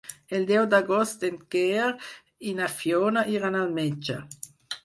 El deu d'agost en Quer i na Fiona iran al metge.